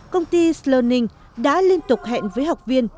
công ty slning đã liên tục hẹn với học viên